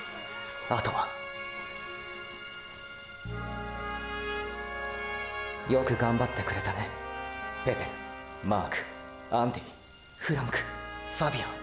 あとはよくがんばってくれたねペテルマークアンディフランクファビアン。